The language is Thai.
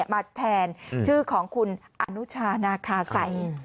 มาแทนชื่อของคุณอนุชานาคาสัย